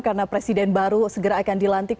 karena presiden baru segera akan dilantik